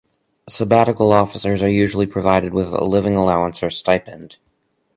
Sabbatical officers are usually provided with a living allowance or stipend.